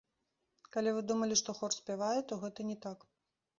Калі вы думалі, што хор спявае, то гэта не так.